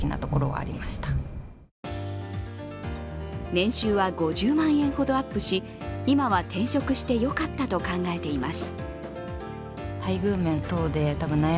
年収は５０万円ほどアップし今は転職してよかったと考えています。